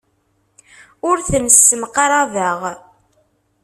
Ur ten-ssemqrabeɣ.